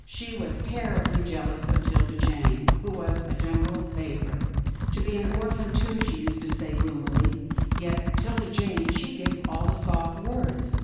She was terribly jealous of 'Tilda Jane who was a general favourite. I be an orphan, too," she used to say, gloomily, " yet 'Tilda Jane, she gits all the soft words."